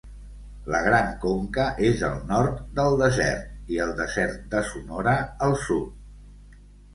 La Gran Conca és al nord del Desert, i el Desert de Sonora al sud.